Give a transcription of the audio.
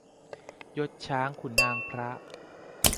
ยศช้างขุนนางพระ